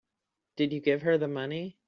Did you give her the money?